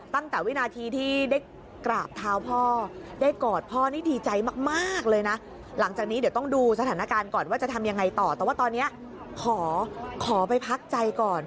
ตั้งแต่วินาทีที่ได้กราบเท้าพ่อได้กอดพ่อนี่ดีใจมากเลยนะ